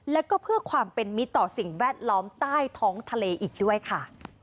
แล้วก็เพื่อความเป็นมิตรต่อสิ่งแวดล้อมใต้ท้องทะเลอีกด้วยค่ะ